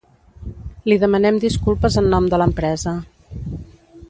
Li demanem disculpes en nom de l'empresa.